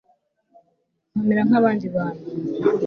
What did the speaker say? nkamera nk'abandi bantu